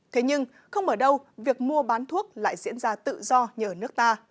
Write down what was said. thế nhưng không ở đâu việc mua bán thuốc lại diễn ra tự do như ở nước ta